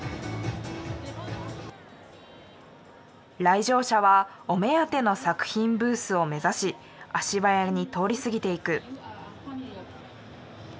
来場者はお目当ての作品ブースを目指し足早に通り過ぎていく。